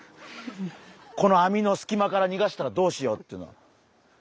この網のすき間からにがしたらどうしようっていうの。